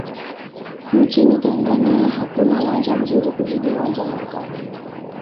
nchini tanzania hakuna uwanja mzuri kuzidi uwanja wa mkapa